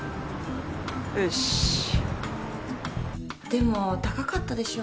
でも高かったでしょ？